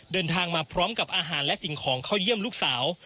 เดินทางมาพร้อมกับอาหารและสิ่งของเข้าเยี่ยมลูกสาว